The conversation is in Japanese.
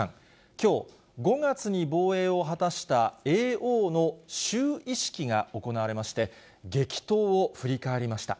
きょう、５月に防衛を果たした叡王の就位式が行われまして、激闘を振り返りました。